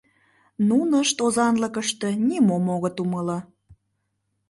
Нунышт озанлыкыште нимом огыт умыло.